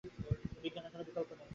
বিজ্ঞানের কোনো বিকল্প নেই।